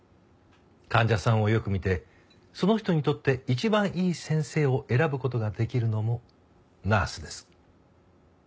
患者さんをよく見てその人にとって一番いい先生を選ぶ事ができるのもナースです。